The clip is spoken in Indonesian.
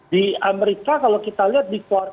di amerika kalau kita lihat di kuartal